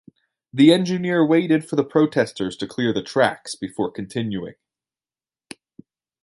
The engineer waited for the protesters to clear the tracks before continuing.